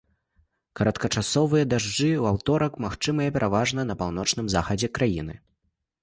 Кароткачасовыя дажджы ў аўторак магчымыя пераважна на паўночным захадзе краіны.